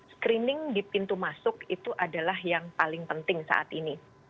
screening di pintu masuk itu adalah yang paling penting saat ini